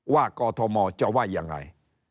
กอทมจะว่ายังไง